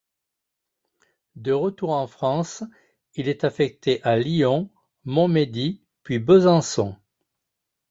De retour en France, il est affecté à Lyon, Montmédy, puis Besançon.